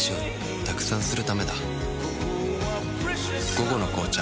「午後の紅茶」